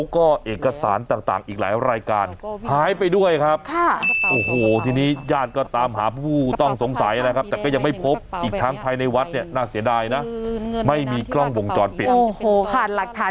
เคยมาเอาไปอีกแล้วเอาไปอีกแล้วนะ